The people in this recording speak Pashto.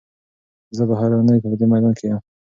زه به هره اونۍ په دې میدان کې یم.